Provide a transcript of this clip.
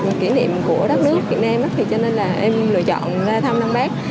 một kỷ niệm của đất nước việt nam cho nên là em lựa chọn tâm lăng bác